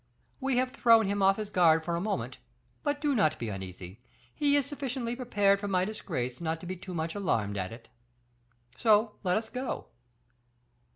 We have thrown him off his guard for a moment; but do not be uneasy, he is sufficiently prepared for my disgrace not to be too much alarmed at it. So, let us go."